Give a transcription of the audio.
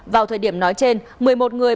vào thời điểm nói trên một mươi một người